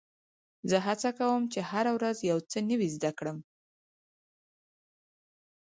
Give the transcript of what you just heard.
زه هڅه کوم، چي هره ورځ یو څه نوی زده کړم.